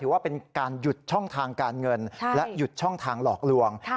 ว่าเป็นการหยุดช่องทางการเงินและหยุดช่องทางหลอกลวง